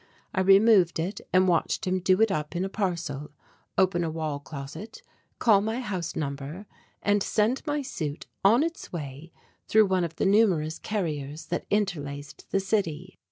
I removed it and watched him do it up in a parcel, open a wall closet, call my house number, and send my suit on its way through one of the numerous carriers that interlaced the city.